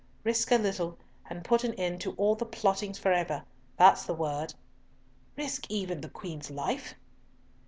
Risk a little, and put an end to all the plottings for ever! That's the word." "Risk even the Queen's life?"